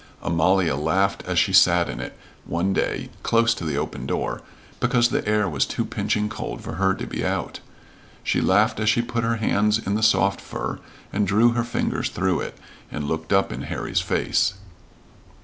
Amalia laughed as she sat in it, one day, close to the open door, because the air was too pinching cold for her to be out. She laughed as she put her hands in the soft fur and drew her fingers through it, and looked up in Harry's face.